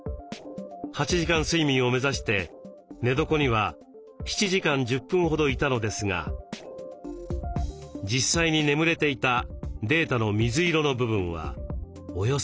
８時間睡眠を目指して寝床には７時間１０分ほどいたのですが実際に眠れていたデータの水色の部分はおよそ４時間しかありません。